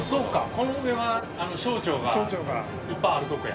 この上は省庁がいっぱいあるとこや。